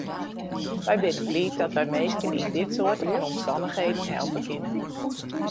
Wy binne bliid dat wy minsken yn dit soarte fan omstannichheden helpe kinne.